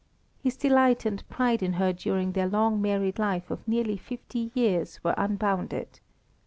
His delight and pride in her during their long married life of nearly fifty years were unbounded.